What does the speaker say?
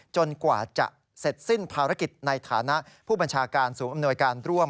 กว่าจะเสร็จสิ้นภารกิจในฐานะผู้บัญชาการศูนย์อำนวยการร่วม